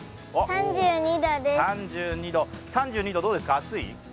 ３２度どうですか、暑い？